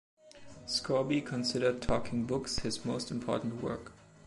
Scourby considered Talking Books his most important work.